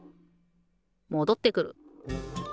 もどってくる。